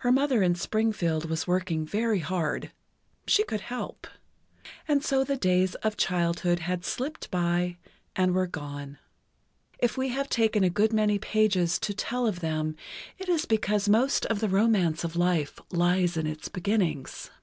Her mother in Springfield was working very hard—she could help. And so the days of childhood had slipped by, and were gone. If we have taken a good many pages to tell of them, it is because most of the romance of life lies in its beginnings. Mrs.